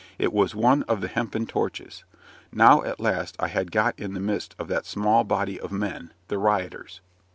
It was one of the hempen torches. Now, at last, I had got in the midst of that small body of men, "the rioters."